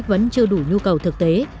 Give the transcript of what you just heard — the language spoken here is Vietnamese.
vẫn chưa đủ nhu cầu thực tế